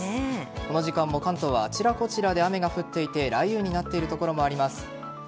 この時間も、関東はあちらこちらで雨が降っていて雷雨になっている所もあります。